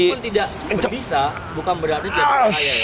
walaupun tidak berbisa bukan berarti tidak berbahaya ya